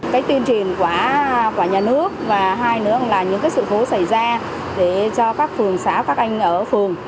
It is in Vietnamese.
cái tuyên truyền của nhà nước và hai nữa là những sự cố xảy ra để cho các phường xã các anh ở phường